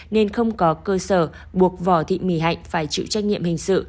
nên không có cơ sở buộc vỏ thịt mì hạnh phải chịu trách nhiệm hình sự